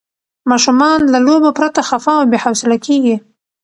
ماشومان له لوبو پرته خفه او بې حوصله کېږي.